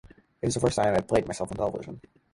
It was the first time I had played myself on television.